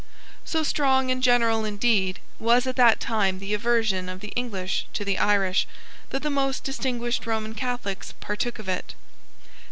So strong and general, indeed, was at that time the aversion of the English to the Irish that the most distinguished Roman Catholics partook of it.